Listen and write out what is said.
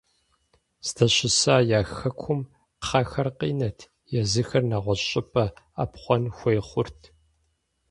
Здэщыса я хэкум кхъэхэр къинэт, езыхэр нэгъуэщӀ щӀыпӀэ Ӏэпхъуэн хуей хъурт.